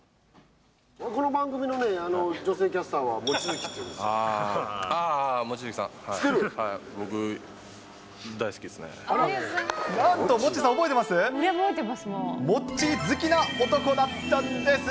この番組の女性キャスターは望月っていうんですよ。